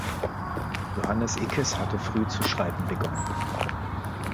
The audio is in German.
Johannes Ickes hatte früh zu schreiben begonnen.